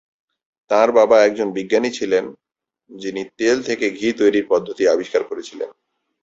তাঁর বাবা একজন বিজ্ঞানী ছিলেন, যিনি তেল থেকে ঘি তৈরির পদ্ধতি আবিষ্কার করেছিলেন।